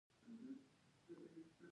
علامه حبيبي په کابل پوهنتون کې تدریس کاوه.